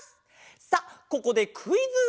さあここでクイズ！